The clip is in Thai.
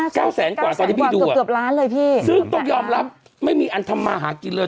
มากสักเกือบล้านเลยพี่ซึ่งต้องยอมรับไม่มีอันทรมาฮะกินเลย